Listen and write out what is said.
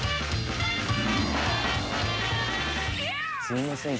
すいません